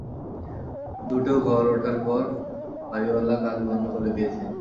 দুটো ঘর ওঠার পর বাড়িওয়ালা কাজ বন্ধ করে দিয়েছেন।